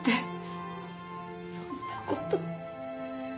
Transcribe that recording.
そんな事。